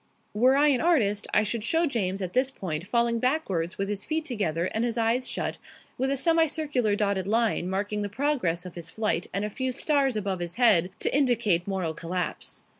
Were I an artist, I should show James at this point falling backwards with his feet together and his eyes shut, with a semi circular dotted line marking the progress of his flight and a few stars above his head to indicate moral collapse.